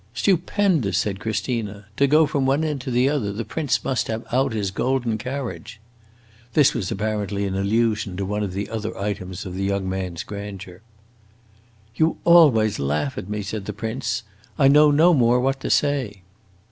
"Stupendous!" said Christina. "To go from one end to the other, the prince must have out his golden carriage." This was apparently an allusion to one of the other items of the young man's grandeur. "You always laugh at me," said the prince. "I know no more what to say!"